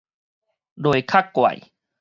螺殼怪